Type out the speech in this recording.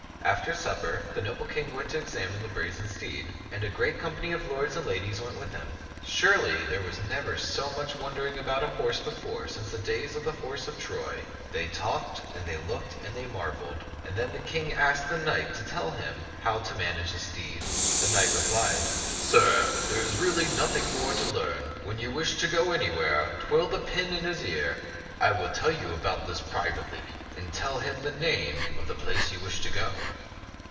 After supper the noble King went to examine the brazen steed, and a great company of lords and ladies went with him. Surely, there was never so much won dering about a horse before since the days of the horse of Troy. They talked and they looked and they mar veled; and then the King asked the knight to tell him how to manage the steed. The knight replied, " Sir, there is really nothing more to learn. When you wish to go anywhere, twirl the pin in his ear — I will tell you about this privately — and tell him the name of ^^t ^C|uire'0 ^<xk 173 the place to which you wish to go.